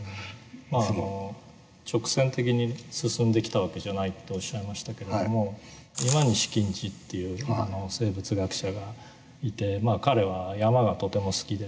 直線的に進んできた訳じゃないとおっしゃいましたけれども今西錦司という生物学者がいて彼は山がとても好きで。